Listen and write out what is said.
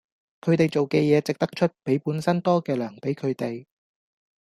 佢地做既野值得岀比本身多既糧比佢地